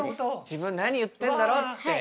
自分何言ってんだろって言う。